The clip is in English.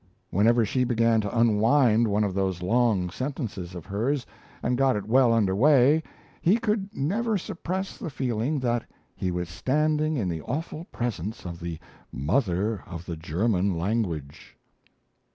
Whenever she began to unwind one of those long sentences of hers, and got it well under way, he could never suppress the feeling that he was standing in the awful presence of the Mother of the German Language!